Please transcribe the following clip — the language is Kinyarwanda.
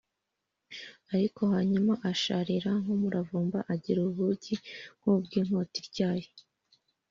ariko hanyuma asharīra nk’umuravumba, agira ubugi nk’ubw’inkota ityaye